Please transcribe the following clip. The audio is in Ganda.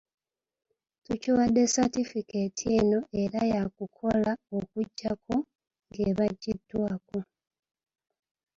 Tukiwadde satifikeeti eno era yaakukola okuggyako ng'ebaggiddwako.